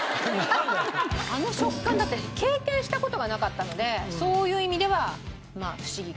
あの食感だって経験した事がなかったのでそういう意味ではフシギが。